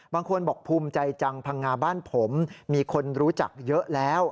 บางคนบอกภูมิใจจังพังงาบ้านผมมีคนรู้จักเยอะแล้ว